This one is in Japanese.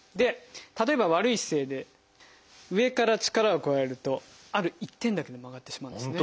例えば悪い姿勢で上から力を加えるとある一点だけで曲がってしまうんですね。